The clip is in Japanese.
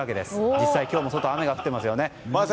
実際に今日も外は雨が降っていますよね。